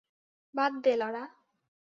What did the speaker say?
বাদ দে লরা।